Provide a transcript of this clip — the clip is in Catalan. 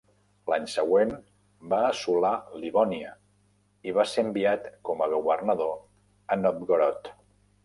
L'any següent, va assolar Livònia i va ser enviat com a governador a Novgorod.